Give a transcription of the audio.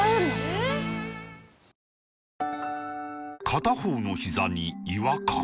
片方のひざに違和感